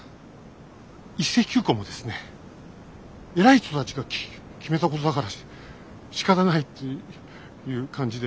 一斉休校もですね偉い人たちが決めたことだからしかたないっていう感じで。